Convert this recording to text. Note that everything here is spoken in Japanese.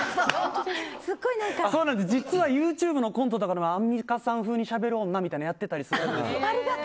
実は、ＹｏｕＴｕｂｅのコントとかもアンミカさん風にしゃべる女とかやってるんです。